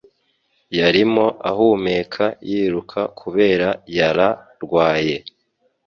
Yarimo ahumeka yiruka kubera yara rwaye.